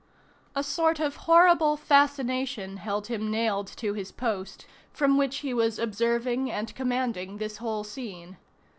A sort of horrible fascination held him nailed to his post, from which he was observing and commanding this whole scene.